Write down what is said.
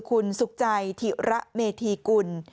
คุณสุขใจธิระเมธีกุล